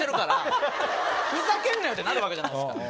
「ふざけんなよ」ってなるわけじゃないっすか。